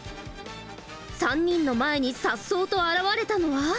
３人の前にさっそうと現れたのは。